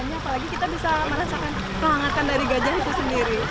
apalagi kita bisa merasakan kehangatan dari gajah itu sendiri